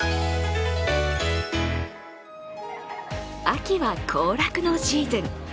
秋は行楽のシーズン。